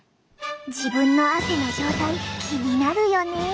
自分の汗の状態気になるよね？